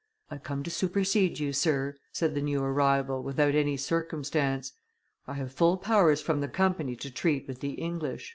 "I come to supersede you, sir," said the new arrival, without any circumstance; "I have full powers from the Company to treat with the English."